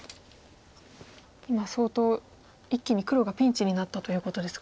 今相当一気に黒がピンチになったということですか。